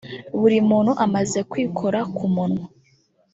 Buri muntu amaze kwikora ku munwa